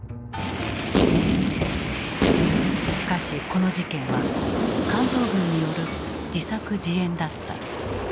しかしこの事件は関東軍による自作自演だった。